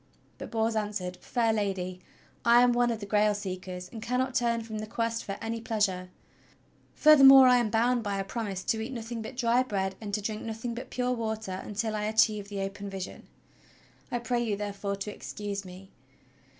But Bors answered: "Fair Lady, I am one of the Grail seekers, and cannot turn from the Quest for any pleasure. Furthermore I am bound by a promise to eat nothing but dry bread and to drink nothing but pure water until I achieve the open vision. I pray you, therefore, to excuse me."